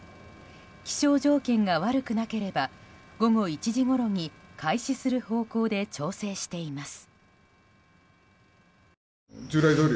気象条件が悪くなければ午後１時ごろに開始する方向で調整しています。